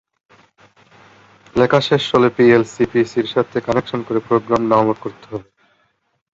লেখা শেষ হলে পিএলসি পিসির সাথে কানেকশন করে প্রোগ্রাম ডাউনলোড করতে হবে।